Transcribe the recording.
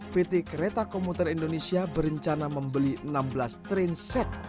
pt kereta komuter indonesia berencana membeli enam belas trainset